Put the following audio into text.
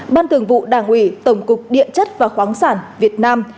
ban thường vụ đảng ủy tổng cục điện chất và khoáng sản việt nam